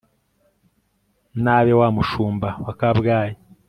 N abe Wa mushumba wa Kabgayi